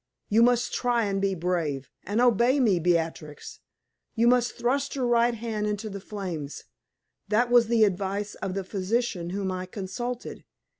You must try and be brave, and obey me, Beatrix. You must thrust your right hand into the flames; that was the advice of the physician whom I consulted.